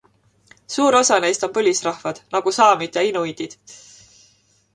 Suur osa neist on põlisrahvad nagu saamid ja inuitid.